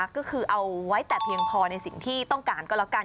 ก็คือเอาไว้แต่เพียงพอในสิ่งที่ต้องการก็แล้วกัน